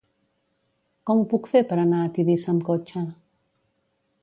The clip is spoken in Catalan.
Com ho puc fer per anar a Tivissa amb cotxe?